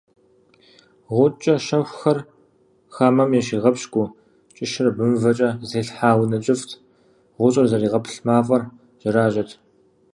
Гъукӏэ щэхухэр хамэм ящигъэпщкӏуу кӏыщыр абрэмывэхэмкӏэ зэтелъхьа унэ кӏыфӏт, гъущӏыр зэригъэплъ мафӏэр жьэражьэт.